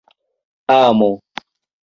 amo